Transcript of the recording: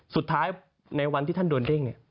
สุดท้ายในวันที่ท่านโดนเด้ง